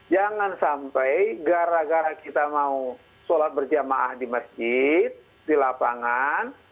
jangan sampai gara gara kita mau sholat berjamaah di masjid di lapangan